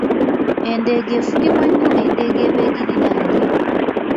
Endeega efugibwa nnyo endeega eba egiriraanye